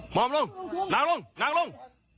หมอบลง